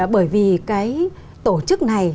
bởi vì cái tổ chức này